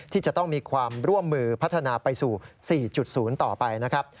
ที่จะต้องมีความร่วมมือพัฒนาไปสู่๔๐ต่อไปนะครับ